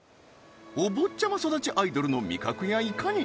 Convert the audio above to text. お坊ちゃま育ちアイドルの味覚やいかに？